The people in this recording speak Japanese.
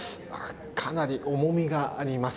かなり重みがあります。